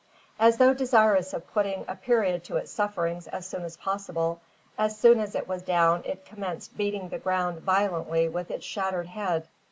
As though desirous of putting a period to its sufferings as soon as possible, as soon as it was down it commenced beating the ground violently with its shattered head.